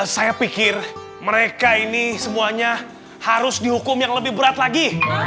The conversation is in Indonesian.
saya pikir mereka ini semuanya harus dihukum yang lebih berat lagi